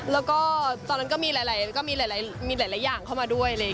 แล้วก็ตอนนั้นก็มีหลายอย่างเข้ามาด้วย